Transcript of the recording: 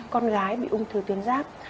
con gái bị ung thư tuyến giáp